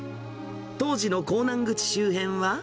当時の港南口周辺は。